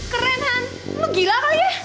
keren han lu gila kali ya